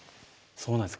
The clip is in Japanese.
そうなんです